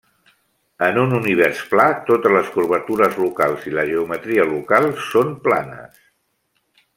En un univers pla, totes les curvatures locals i la geometria local són planes.